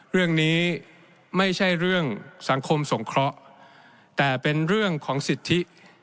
เรื่องนี้ไม่ใช่เรื่องสังคมสงเคราะห์แต่เป็นเรื่องของสิทธิ